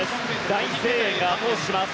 大声援が後押しします。